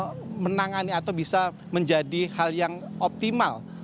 nah apakah ini juga bisa kemudian menangani atau bisa menjadi hal yang optimal